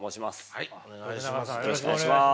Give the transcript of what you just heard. はいお願いします。